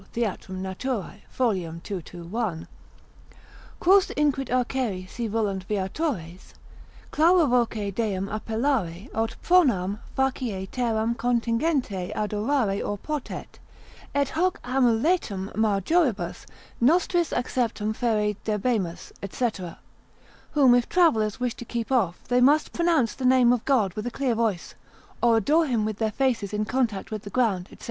Theat. Naturae, fol. 221. Quos inquit arcere si volunt viatores, clara voce Deum appellare aut pronam facie terram contingente adorare oportet, et hoc amuletum majoribus nostris acceptum ferre debemus, &c., (whom if travellers wish to keep off they must pronounce the name of God with a clear voice, or adore him with their faces in contact with the ground, &c.)